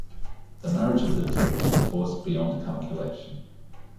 The marriage of the two is a force beyond calculation.